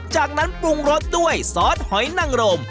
จากนั้นปรุงรสด้วยซอสหอยนังรม